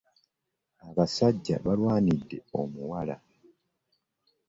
Abasajja baalwanidde omuwala.